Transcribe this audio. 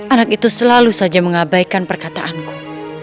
anak itu selalu saja mengabaikan perkataanku